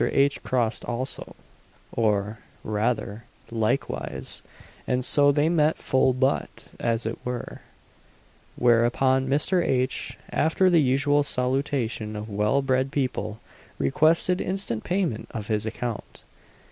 H. crossed also, or, rather, like wise and so they met full butt, as it were; whereupon Mr. H., after the usual salutation of well bred people, requested instant payment of his account.